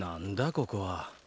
ここは。